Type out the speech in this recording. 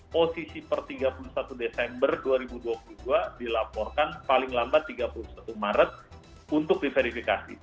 posisi per tiga puluh satu desember dua ribu dua puluh dua dilaporkan paling lambat tiga puluh satu maret untuk diverifikasi